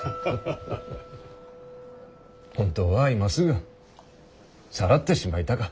本当は今すぐさらってしまいたか。